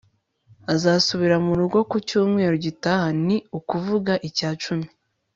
azasubira murugo ku cyumweru gitaha, ni ukuvuga icya cumi